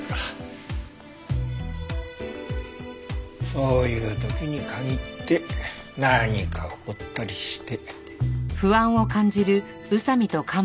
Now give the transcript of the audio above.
そういう時に限って何か起こったりして。